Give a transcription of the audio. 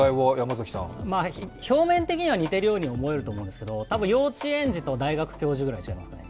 表面的には似ているように思えると思うんですけど幼稚園児と大学教授ぐらい違いますね。